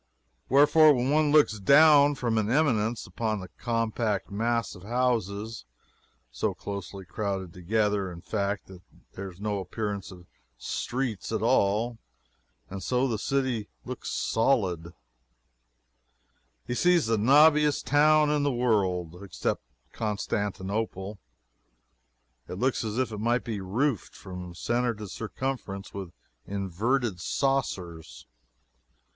Wherefore, when one looks down from an eminence, upon the compact mass of houses (so closely crowded together, in fact, that there is no appearance of streets at all, and so the city looks solid,) he sees the knobbiest town in the world, except Constantinople. It looks as if it might be roofed, from centre to circumference, with inverted saucers.